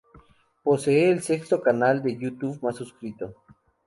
Posee el sexto canal de Youtube más suscrito.